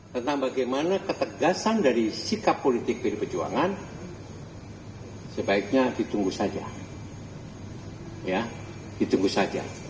tentang bagaimana ketegasan dari sikap politik pdi perjuangan sebaiknya ditunggu saja